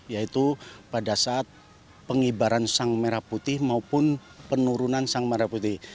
yaitu pada saat pengibaran sang merah putih maupun penurunan sang merah putih